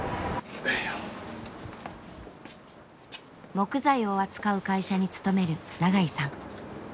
木材を扱う会社に勤める長井さん。